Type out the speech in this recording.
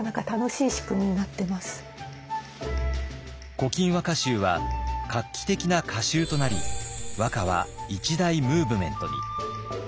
「古今和歌集」は画期的な歌集となり和歌は一大ムーブメントに。